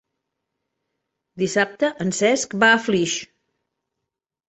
Dissabte en Cesc va a Flix.